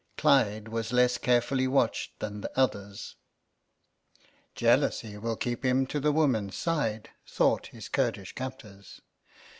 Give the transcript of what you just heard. Clyde was less carefully watched than the others. "Jealousy will keep him to the woman's side " thought his Kurdish captors.